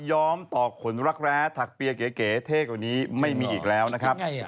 ้อมต่อขนรักแร้ถักเปียเก๋เท่กว่านี้ไม่มีอีกแล้วนะครับ